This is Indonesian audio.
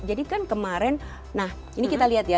jadi kan kemarin nah ini kita lihat ya